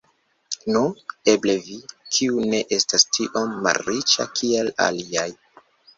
Nu, eble vi, kiu ne estas tiom malriĉa kiel aliaj.